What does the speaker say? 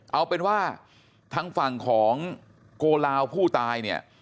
เอาเป็นว่าทางฝั่งของโกลาวผู้ตายเนี่ย